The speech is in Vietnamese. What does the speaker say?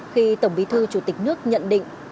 khi tổng bí thư chủ tịch nước nhận định